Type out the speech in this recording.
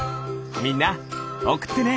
みんなおくってね。